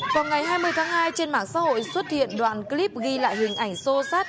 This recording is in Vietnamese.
vào ngày hai mươi tháng hai trên mạng xã hội xuất hiện đoạn clip ghi lại hình ảnh sô sát